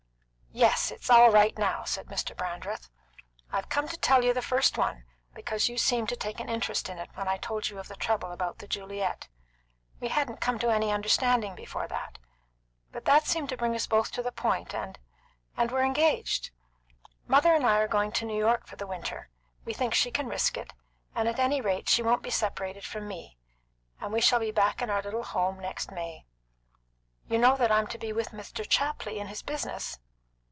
"Yes, it's all right now," said Mr. Brandreth. "I've come to tell you the first one, because you seemed to take an interest in it when I told you of the trouble about the Juliet. We hadn't come to any understanding before that, but that seemed to bring us both to the point, and and we're engaged. Mother and I are going to New York for the winter; we think she can risk it; and at any rate she won't be separated from me; and we shall be back in our little home next May. You know that I'm to be with Mr. Chapley in his business?"